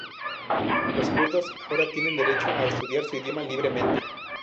Los kurdos ahora tienen derecho a estudiar su idioma libremente.